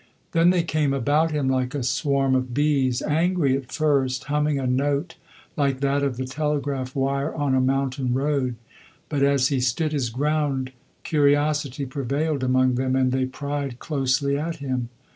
Then they came about him like a swarm of bees, angry at first, humming a note like that of the telegraph wire on a mountain road, but, as he stood his ground, curiosity prevailed among them and they pried closely at him.